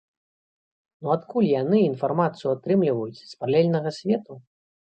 Ну адкуль яны інфармацыю атрымліваюць, з паралельнага свету?